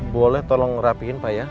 boleh tolong rapihin pak ya